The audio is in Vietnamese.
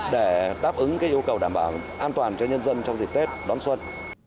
để đáp ứng yêu cầu đảm bảo an toàn cho nhân dân trong dịp tết đón xuân